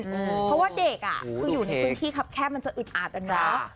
เพราะว่าเด็กคืออยู่ในพื้นที่ครับแคบมันจะอึดอัดอะเนาะ